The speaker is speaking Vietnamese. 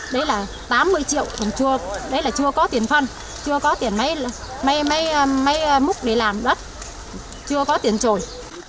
đấy là tám mươi triệu còn chưa đấy là chưa có tiền phân chưa có tiền mấy mấy múc để làm đất chưa có tiền trồi